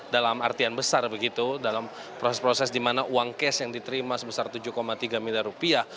dalam artian besar begitu dalam proses proses di mana uang cash yang diterima sebesar tujuh tiga miliar rupiah